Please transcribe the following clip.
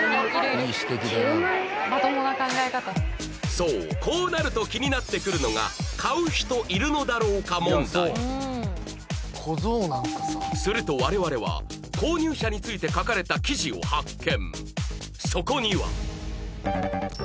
そうこうなると気になってくるのがすると我々は購入者について書かれた記事を発見